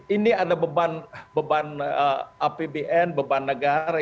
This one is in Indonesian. ini ada beban apbn beban negara